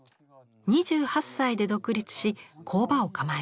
２８歳で独立し工場を構えました。